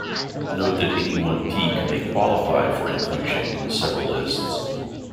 Note that any one peak may 'qualify' for inclusion in several lists.